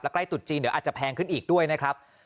ใกล้ตุดจีนเดี๋ยวอาจจะแพงขึ้นอีกด้วยนะครับ